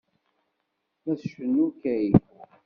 La tcennu Keiko.